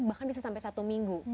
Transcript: bahkan bisa sampai satu minggu